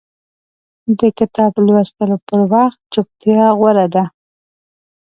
د کتاب لوستلو پر وخت چپتیا غوره ده.